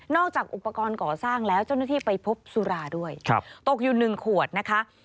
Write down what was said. อกจากอุปกรณ์ก่อสร้างแล้วเจ้าหน้าที่ไปพบสุราด้วยตกอยู่๑ขวดนะคะ